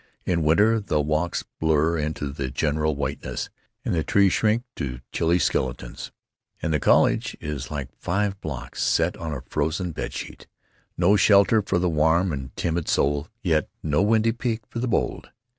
In winter the walks blur into the general whiteness, and the trees shrink to chilly skeletons, and the college is like five blocks set on a frozen bed sheet—no shelter for the warm and timid soul, yet no windy peak for the bold.